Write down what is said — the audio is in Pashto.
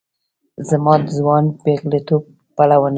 زما د ځوان پیغلتوب پلونه